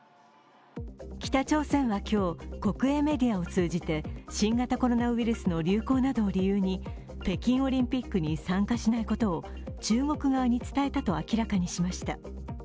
北朝鮮は今日、国営メディアを通じて新型コロナウイルスの流行などを理由に北京オリンピックに参加しないことを中国側に伝えたと明らかにしました。